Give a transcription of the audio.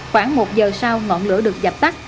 khoảng một giờ sau ngọn lửa được dập tắt